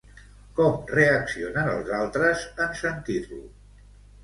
Com reaccionen els altres, en sentir-lo?